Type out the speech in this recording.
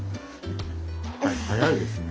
早いですね。